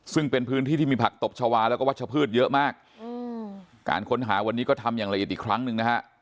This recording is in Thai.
ซึ่งเป็นพื้นที่ที่มีผักตบชาวาแล้วก็วัชพืชเยอะมากการค้นหาวันนี้ก็ทำอย่างละเอียดอีกครั้งหนึ่งนะฮะ